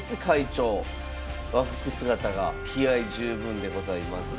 和服姿が気合い十分でございます。